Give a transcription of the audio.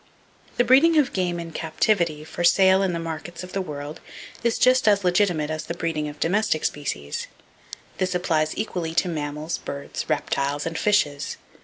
—The breeding of game in captivity for sale in the markets of the world is just as legitimate as the breeding of domestic species. This applies equally to mammals, birds, reptiles and fishes.